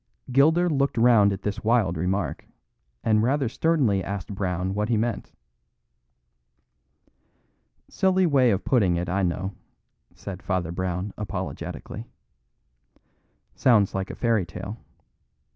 Gilder looked round at this wild remark, and rather sternly asked Brown what he meant. "Silly way of putting it, I know," said Father Brown apologetically. "Sounds like a fairy tale.